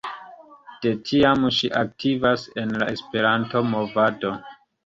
De tiam ŝi aktivas en la Esperanto-movado.